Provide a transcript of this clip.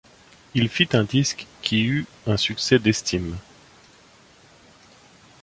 Il fit un disque qui eut un succès d'estime.